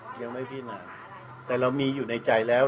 ยังไม่พินาแต่เรามีอยู่ในใจแล้ว